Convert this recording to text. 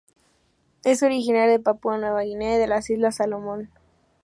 Es originaria de Papúa Nueva Guinea y de las islas Salomón.